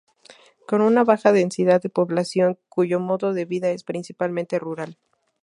Con una baja densidad de población, cuyo modo de vida es principalmente rural.